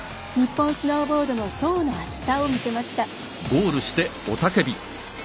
日本スノーボードの層の厚さを見せました。